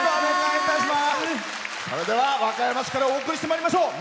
和歌山市からお送りしてまいりましょう。